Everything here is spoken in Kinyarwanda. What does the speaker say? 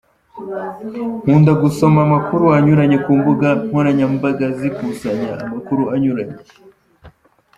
Nkunda gusoma amakuru anyuranye ku mbuga nkoranyambaga zikusanya amakuru anyuranye.